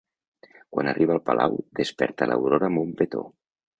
Quan arriba al palau, desperta l'Aurora amb un petó.